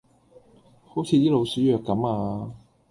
好似啲老鼠藥咁呀